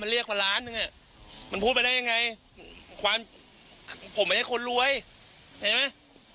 มันเรียกกว่าร้านหนึ่งมันพูดไปได้ยังไงผมไม่ใช่คนรวยเห็นไหม